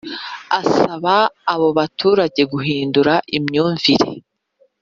Asaba abo baturage guhindura imyumvire